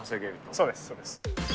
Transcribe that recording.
そうです、そうです。